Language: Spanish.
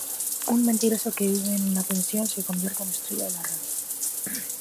Un mentiroso que vive en una pensión se convierte en estrella de la radio.